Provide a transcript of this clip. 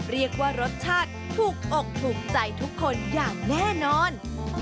เรียกว่ารสชาติถูกอกถูกใจทุกคนอย่างแน่นอน